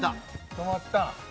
留まった！